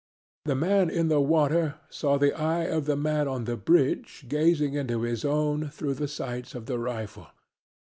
The man in the water saw the eye of the man on the bridge gazing into his own through the sights of the rifle.